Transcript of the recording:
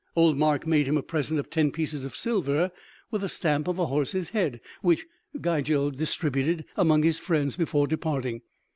Old Mark made him a present of ten pieces of silver with the stamp of a horse's head, which Gigel distributed among his friends before departing.